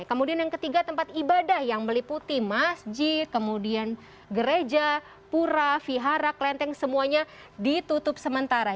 kemudian yang ketiga tempat ibadah yang meliputi masjid kemudian gereja pura vihara klenteng semuanya ditutup sementara